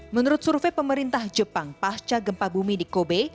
menurut survei pemerintah jepang pasca gempa bumi di kobe